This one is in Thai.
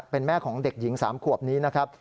เป็นแม่ของเด็กหญิง๓ขวบนี้นะครับ